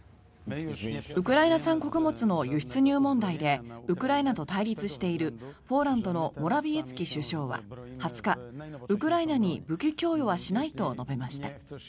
ウクライナ産穀物の輸出入問題でウクライナと対立しているポーランドのモラビエツキ首相は２０日、ウクライナに武器供与はしないと述べました。